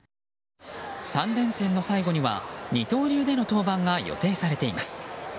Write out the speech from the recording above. ３連戦の最後には、二刀流での登板が予定されています。